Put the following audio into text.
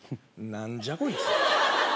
何じゃこいつ。